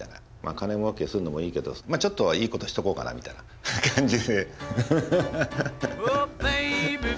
金もうけするのもいいけどちょっとはいいことしとこうかなみたいな感じで。